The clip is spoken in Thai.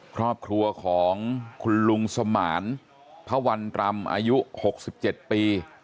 ครอบครัวของคุณลุงสมานพระวันรำอายุ๖๗ปี